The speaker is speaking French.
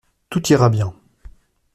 Tout ira bien.